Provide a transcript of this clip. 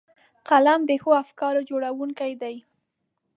قلم د ښو افکارو جوړوونکی دی